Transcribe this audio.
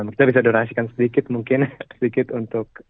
kita bisa doransikan sedikit mungkin sedikit untuk